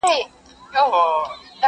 لوستونکی ژور فکر ته ځي تل